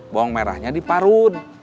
bawang merahnya diparun